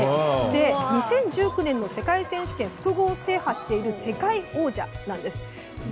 ２０１９年の世界選手権で複合制覇している世界王者なんです。